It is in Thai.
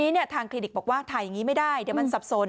ทีนี้ทางคลินิกบอกว่าถ่ายอย่างนี้ไม่ได้เดี๋ยวมันสับสน